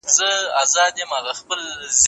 د تحقیق او پرمختګ لپاره پیسې اړینې دي.